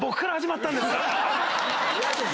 嫌ですよ。